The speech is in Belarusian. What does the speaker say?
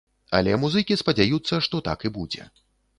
Але музыкі спадзяюцца, што так і будзе.